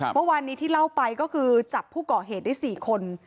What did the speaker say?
เมื่อวานนี้ที่เล่าไปก็คือจับผู้ก่อเหตุได้๔คน